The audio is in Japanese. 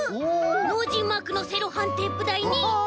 ノージーマークのセロハンテープだいにクレヨン！